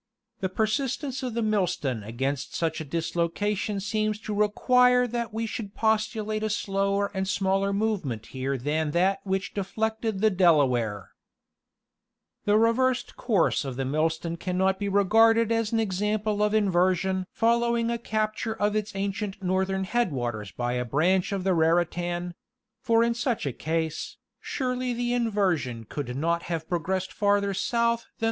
The persistence of the Millstone against such a dislocation seems to require that we should postulate a slower and smaller move ' ment here than that which deflected the Delaware. The reversed course of the Millstone cannot be regarded as an example of inversion following a capture of its ancient northern headwaters by a branch of the Raritan ; for in such a case, surely the inversion could not have progressed farther south than the * For an account of the ''fall line" displacement, see McGee, Seventh Ann.